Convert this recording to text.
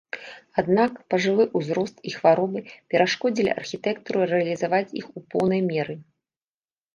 Аднак, пажылы ўзрост і хваробы перашкодзілі архітэктару рэалізаваць іх у поўнай меры.